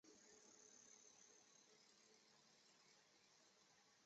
乾隆五十二年署荣县贡井县丞。